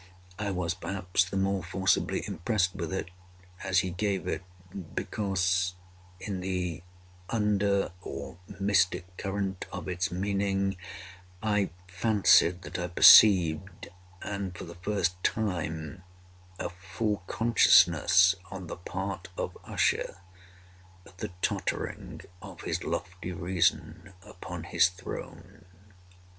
I was, perhaps, the more forcibly impressed with it, as he gave it, because, in the under or mystic current of its meaning, I fancied that I perceived, and for the first time, a full consciousness on the part of Usher of the tottering of his lofty reason upon her throne.